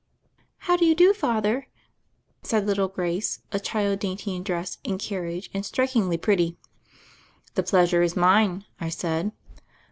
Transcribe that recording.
"How do you do. Father," said little Grace, a child dainty in dress and carriage and strik ingly pretty. "The pleasure is mine," I said.